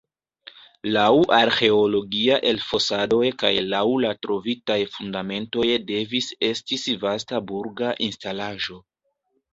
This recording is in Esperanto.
Laŭ arĥeologiaj elfosadoj kaj laŭ la trovitaj fundamentoj devis estis vasta burga instalaĵo.